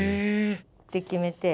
って決めて。